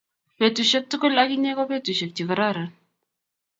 petusiek tugul ak inye ko petusiek che kararan